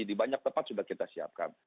di banyak tempat sudah kita siapkan